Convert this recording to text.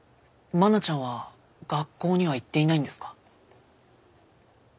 愛菜ちゃんは学校には行っていないんですか？